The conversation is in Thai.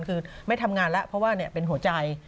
คือไม่ทำงานแล้วเพราะว่าเป็นหัวใจ